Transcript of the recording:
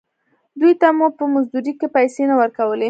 دوې ته مو په مزدورۍ کښې پيسې نه ورکولې.